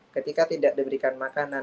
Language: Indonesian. ketika tidak diberikan makanan